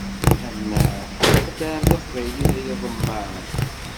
Annaɣ txedɛem taqbaylit ay iḍemmaɛen!